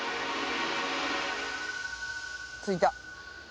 着いた。